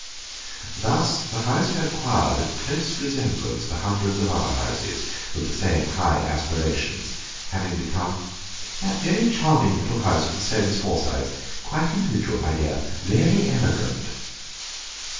Thus the house had acquired a close resemblance to hundreds of other houses with the same high aspirations, having become: "That very charming little house of the Soames Forsytes, quite individual, my dear—really elegant."